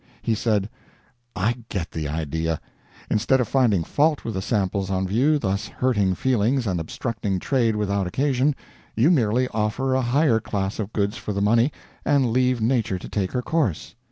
He said: "I get the idea. Instead of finding fault with the samples on view, thus hurting feelings and obstructing trade without occasion, you merely offer a higher class of goods for the money, and leave nature to take her course.